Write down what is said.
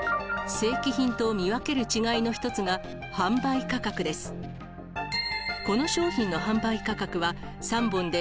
正規品と見分ける違いの一つが販売価格です。